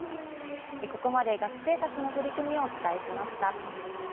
ここまで、学生たちの取り組みをお伝えしました。